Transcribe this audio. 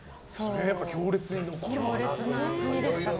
強烈な国でしたね。